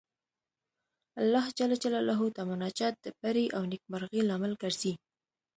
الله جل جلاله ته مناجات د بري او نېکمرغۍ لامل ګرځي.